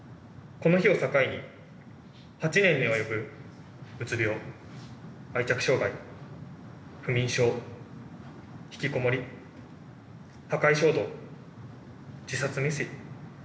この日を境に８年に及ぶうつ病愛着障害不眠症引きこもり破壊衝動自殺未遂。